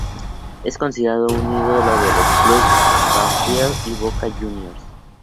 Es considerado un ídolo de los clubes Banfield y Boca Juniors.